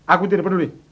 aku tidak peduli